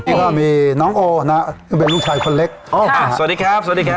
นี่ก็มีน้องโอนะซึ่งเป็นลูกชายคนเล็กสวัสดีครับสวัสดีครับ